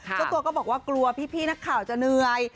เจ้าตัวก็บอกว่ากลัวพี่นักข่าวจะเหนื่อย